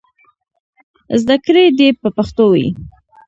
زدهکړې دې په پښتو وي.